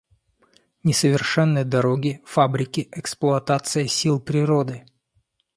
Несовершенны дороги, фабрики, эксплуатация сил природы.